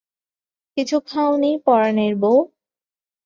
কিছু খাওনি পরাণের বৌ?